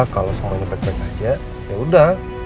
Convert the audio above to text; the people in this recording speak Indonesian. kalau seorangnya baik baik aja yaudah